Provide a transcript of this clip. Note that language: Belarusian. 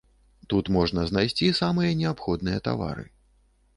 Тут можна знайсці самыя неабходныя тавары.